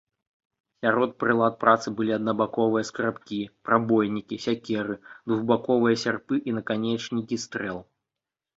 Сярод прылад працы былі аднабаковыя скрабкі, прабойнікі, сякеры, двухбаковыя сярпы і наканечнікі стрэл.